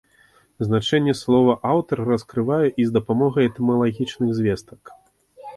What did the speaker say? Значэнне слова аўтар раскрывае і з дапамогай этымалагічных звестак.